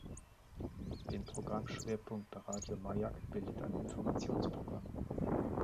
Den Programmschwerpunkt bei Radio Majak bildet ein Informationsprogramm.